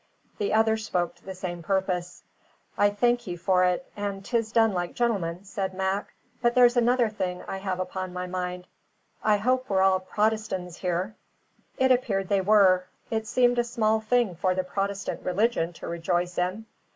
The others spoke to the same purpose. "I thank ye for ut, and 'tis done like gentlemen," said Mac. "But there's another thing I have upon my mind. I hope we're all Prodestan's here?" It appeared they were; it seemed a small thing for the Protestant religion to rejoice in!